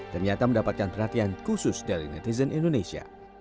ternyata mendapatkan perhatian khusus dari netizen indonesia